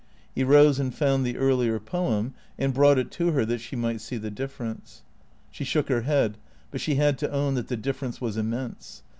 He rose and found the earlier poem, and brought it to her that she might see the difference. She shook her head; but she had to own that the difference was immense.